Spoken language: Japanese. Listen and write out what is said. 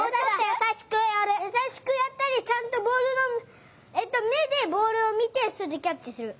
やさしくやったりちゃんとボールをえっとめでボールをみてそれでキャッチする。